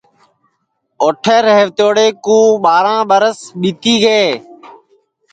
اوٹھے ریہوتوڑے کُو ٻاراں ٻرس ٻِیتی گے